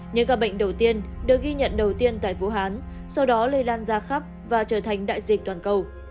những ca bệnh đầu tiên được ghi nhận đầu tiên tại vũ hán sau đó lây lan ra khắp và trở thành đại dịch toàn cầu